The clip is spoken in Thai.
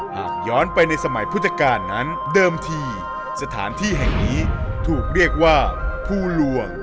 หากย้อนไปในสมัยพุทธกาลนั้นเดิมทีสถานที่แห่งนี้ถูกเรียกว่าภูลวง